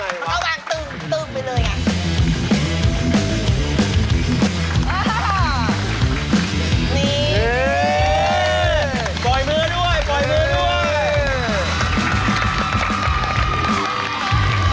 อย่างนี้เออมันติดมันซ้อนของยังไงวะ